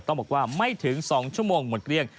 ต้องบอกว่าไม่ถึง๒ชั่วโมงหมดเกลี้ยง